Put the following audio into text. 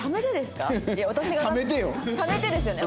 ためてですよね？